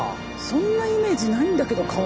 そんなイメージないんだけど革に。